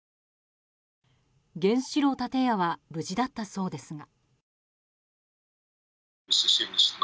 原子炉建屋は無事だったそうですが。